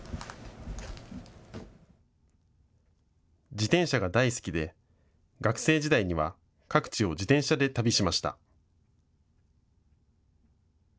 自転車が大好きで学生時代には各地を自転車で旅しました。